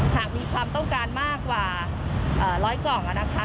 หากมีความต้องการมากกว่า๑๐๐กล่อง